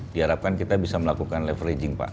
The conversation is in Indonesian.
diharapkan kita bisa melakukan leveraging pak